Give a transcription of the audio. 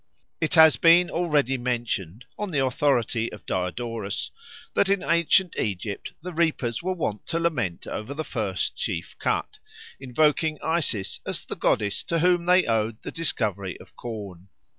It has been already mentioned, on the authority of Diodorus, that in ancient Egypt the reapers were wont to lament over the first sheaf cut, invoking Isis as the goddess to whom they owed the discovery of corn.